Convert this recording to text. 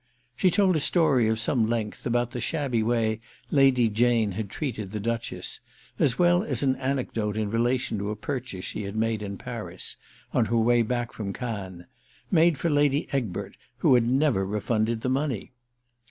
She told a story of some length about the shabby way Lady Jane had treated the Duchess, as well as an anecdote in relation to a purchase she had made in Paris—on her way back from Cannes; made for Lady Egbert, who had never refunded the money.